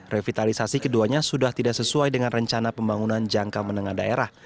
revitalisasi keduanya sudah tidak sesuai dengan rencana pembangunan jangka menengah daerah